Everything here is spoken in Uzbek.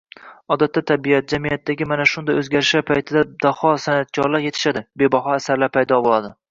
Odatda, tabiat, jamiyatdagi mana shunday oʻzgarishlar paytida daho sanʼatkorlar yetishadi, bebaho asarlar paydo boʻladi.